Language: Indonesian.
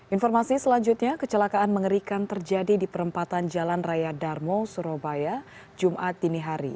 informasi selanjutnya kecelakaan mengerikan terjadi di perempatan jalan raya darmo surabaya jumat dini hari